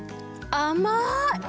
甘い？